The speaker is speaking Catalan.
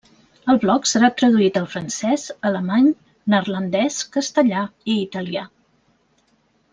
El blog serà traduït al francès, alemany, neerlandès, castellà i italià.